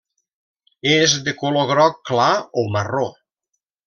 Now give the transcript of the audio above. És de color groc clar o marró.